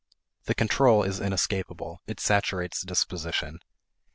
The control is inescapable; it saturates disposition.